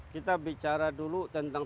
kita bicara dulu tentang